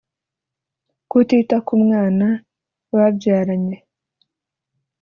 kutita ku mwana babyaranye